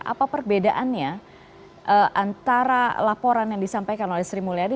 apa perbedaannya antara laporan yang disampaikan oleh sri mulyani